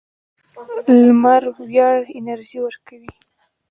لمر وړیا انرژي ورکوي.